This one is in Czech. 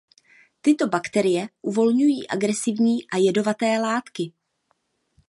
Tyto bakterie uvolňují agresivní a jedovaté látky.